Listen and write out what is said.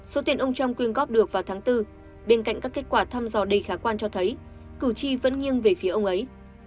số tiền ông trump quyên góp được vào tháng bốn bên cạnh các kết quả thăm dò đầy khả quan cho thấy cử tri vẫn nghiêng về phía ông ấy